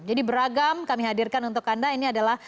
jadi beragam kami hadirkan untuk anda